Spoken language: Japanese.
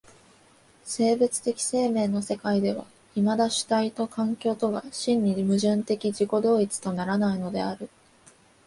生物的生命の世界ではいまだ主体と環境とが真に矛盾的自己同一とならないのである。